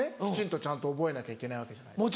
きちんとちゃんと覚えなきゃいけないわけじゃない。